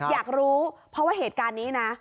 อยากรู้เพราะว่าเหตุการณ์นี้นะ